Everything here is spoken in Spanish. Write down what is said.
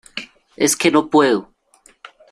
es que no puedo.